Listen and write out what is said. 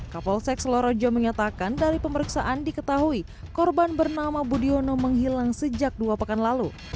kapol seks selorejo mengatakan dari pemeriksaan diketahui korban bernama budiono menghilang sejak dua pekan lalu